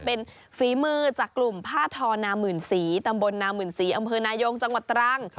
เป็นฝีมือจากกลุ่มผ้าทอนามื่นศรีตำบลนามื่นศรีอำเภอนายงจังหวัดตรัง